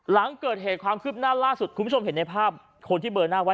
หลังเกิดเหตุความคืบหน้าล่าสุดคุณผู้ชมเห็นในภาพคนที่เบอร์หน้าไว้